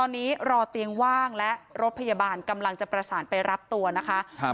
ตอนนี้รอเตียงว่างและรถพยาบาลกำลังจะประสานไปรับตัวนะคะครับ